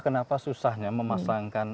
kenapa susahnya memasangkan